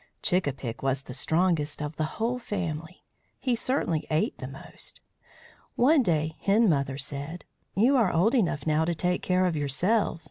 Chick a pick was the strongest of the whole family. He certainly ate the most. One day Hen Mother said: "You are old enough now to take care of yourselves.